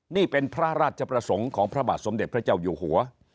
นี่เป็นพระราชประสงค์ของพระบาทสมเด็จพระเจ้าอยู่หัว